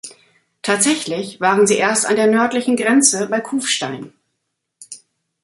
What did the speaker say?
Tatsächlich waren sie erst an der nördlichen Grenze bei Kufstein.